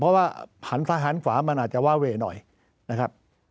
เพราะว่าหันทหารฝามันอาจจะวาเวหน่อยนะครับ